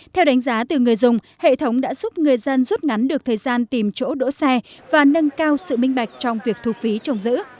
theo đánh giá từ người dùng hệ thống đã giúp người dân rút ngắn được thời gian tìm chỗ đỗ xe và nâng cao sự minh bạch trong việc thu phí trồng giữ